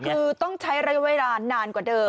คือต้องใช้ระยะเวลานานกว่าเดิม